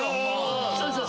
そうそう。